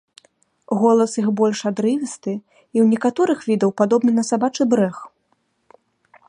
Голас іх больш адрывісты і ў некаторых відаў падобны на сабачы брэх.